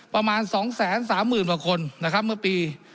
ประมาณ๒๓๐๐๐กว่าคนนะครับเมื่อปี